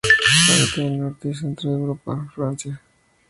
Habita en el Norte y centro de Europa, Francia.